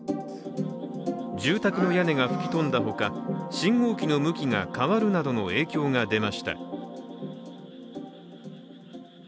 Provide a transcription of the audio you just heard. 住宅の屋根が吹き飛んだ他信号機の向きが変わるなどの影響が出ました。